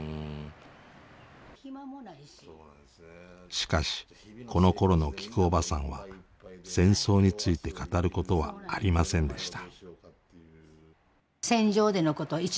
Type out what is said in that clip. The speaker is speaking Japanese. しかしこのころのきくおばさんは戦争について語ることはありませんでした。